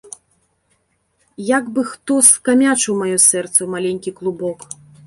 Як бы хто скамячыў маё сэрца ў маленькі клубок.